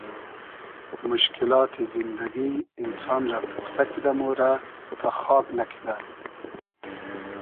موشکیلات زیندئگی اینسان رۂ پوختۂ کیدۂ مۉرۂ تا خاگ نئکئدۂ